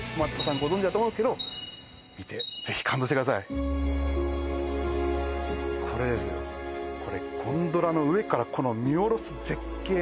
ご存じだと思うんすけど見てぜひ感動してくださいこれですよこれゴンドラの上からこの見下ろす絶景！